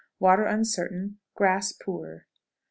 Water uncertain; grass poor. 23.